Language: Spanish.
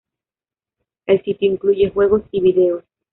El sitio incluye juegos y vídeos.